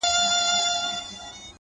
هغه به خپل زړه په ژړا وویني ـ